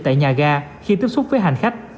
tại nhà ga khi tiếp xúc với hành khách